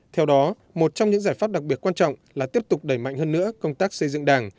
theo đó một trong những giải pháp đặc biệt quan trọng là tiếp tục đẩy mạnh hơn nữa công tác xây dựng đảng